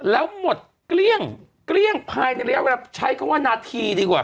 แล้วหมดเกลี้ยงเกลี้ยงภายในระยะเวลาใช้คำว่านาทีดีกว่า